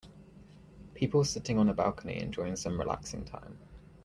People sitting on a balcony enjoying some relaxing time.